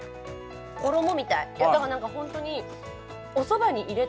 衣みたい。